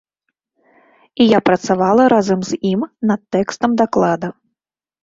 І я працавала разам з ім над тэкстам даклада.